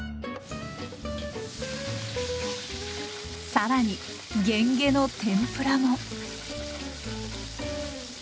更にゲンゲの天ぷらも。